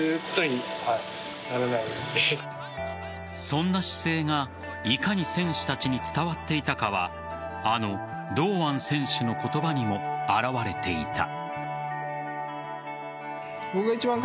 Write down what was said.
そんな姿勢がいかに選手たちに伝わっていたかはあの堂安選手の言葉にも表れていた。